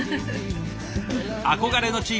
憧れの地